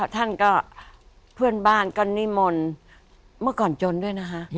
ท่านก็เพื่อนบ้านก็นิมนต์เมื่อก่อนจนด้วยนะคะ